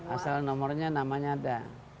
asal nomornya namanya ada